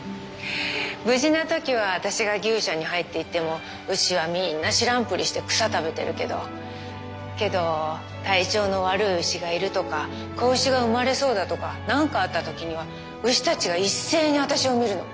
無事な時は私が牛舎に入っていっても牛はみんな知らんぷりして草食べてるけどけど体調の悪い牛がいるとか子牛が産まれそうだとか何かあった時には牛たちが一斉に私を見るの。